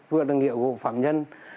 vừa là nghĩa vụ phạm nhân